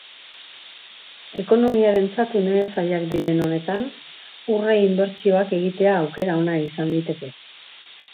Ekonomiarentzat une zailak diren honetan, urre inbertsioak egitea aukera ona izan liteke.